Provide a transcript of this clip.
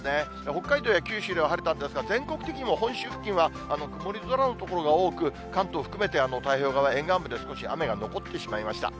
北海道や九州では晴れたんですが、全国的にも本州付近は曇り空の所が多く、関東含めて、太平洋側沿岸部で雨が残ってしまいました。